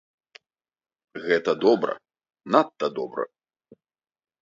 Гэта добра, надта добра!